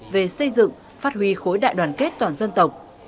về xây dựng phát huy khối đại đoàn kết toàn dân tộc